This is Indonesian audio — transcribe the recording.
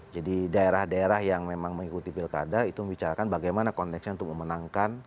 jadi daerah daerah yang memang mengikuti pilkada itu membicarakan bagaimana konteksnya untuk memenangkan